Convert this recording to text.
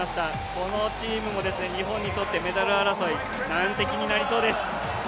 このチームも日本にとってメダル争い、難敵になりそうです。